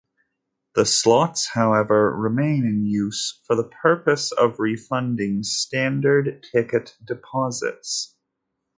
The slots, however, remain in use for the purpose of refunding Standard Ticket deposits.